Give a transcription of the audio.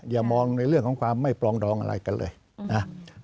อย่ามองในเรื่องของความไม่ปรองดองอะไรกันเลยนะ